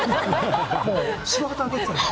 もう白旗上げてたのに。